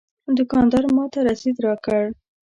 دوکاندار ماته رسید راکړ.